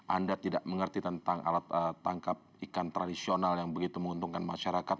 anda tidak mengerti tentang alat tangkap ikan tradisional yang begitu menguntungkan masyarakat